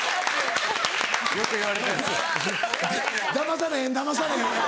だまされへんだまされへん！